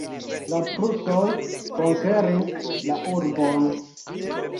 La prusoj konkeris la urbon.